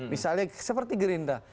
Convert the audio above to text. misalnya seperti gerindra